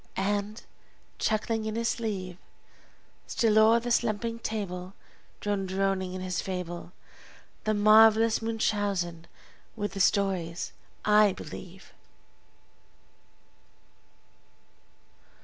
and, chuckling in his sleeve, Still o'er the slumbering table, Drone droning on his fable, The marvelous Munchausen, with the stories I believe!